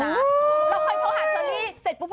แล้วพอโทรหาเชอร์รี่เสร็จปุ๊บ